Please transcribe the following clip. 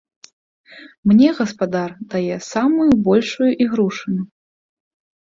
Мне гаспадар дае самую большую ігрушыну.